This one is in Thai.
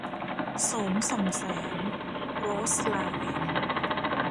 โสมส่องแสง - โรสลาเรน